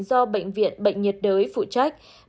do bệnh viện bệnh nhiệt đới phụ trách